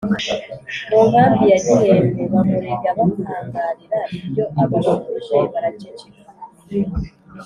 Mu nkambi ya Gihembe bamurega batangarira ibyo abashubije baraceceka